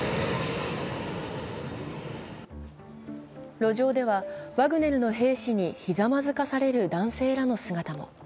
路上では、ワグネルの兵士にひざまずかされる男性らの姿も。